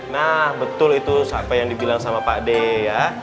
nah betul itu apa yang dibilang sama pak d ya